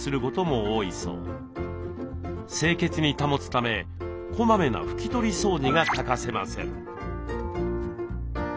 清潔に保つためこまめな拭き取り掃除が欠かせません。